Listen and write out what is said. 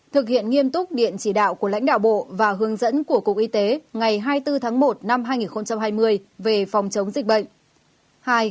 thực hiện nghiêm túc điện chỉ đạo của lãnh đạo bộ và hướng dẫn của cục y tế ngày hai mươi bốn tháng một năm hai nghìn hai mươi về phòng chống dịch bệnh